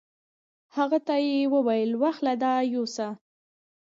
هغه ته یې وویل: واخله دا یوسه.